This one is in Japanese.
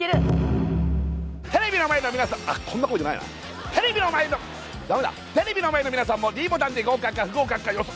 テレビの前の皆さんあっこんな声じゃないなテレビの前のダメだテレビの前の皆さんもｄボタンで合格か不合格か予想